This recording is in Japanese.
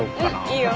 いいよ。